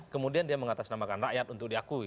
kemudian dia mengatasnamakan rakyat untuk diakui